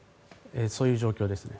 そういう状況ですね。